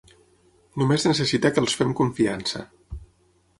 Només necessita que els fem confiança.